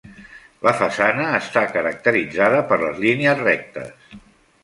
La façana està caracteritzada per les línies rectes.